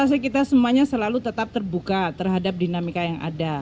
saya rasa kita semuanya selalu tetap terbuka terhadap dinamika yang ada